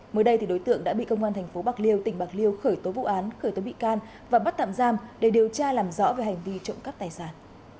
mới đây đối tượng đã bị công an tp bạc liêu tỉnh bạc liêu khởi tố vụ án khởi tố bị can và bắt tạm giam để điều tra làm rõ về hành vi trộm cắp tài sản